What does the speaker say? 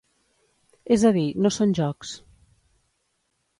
És a dir, no són jocs.